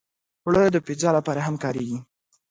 اوړه د پیزا لپاره هم کارېږي